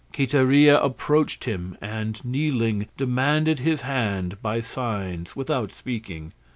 Quiteria approached him, and kneeling, demanded his hand by signs without speaking.